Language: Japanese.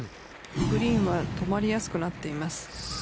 グリーンは止まりやすくなっています。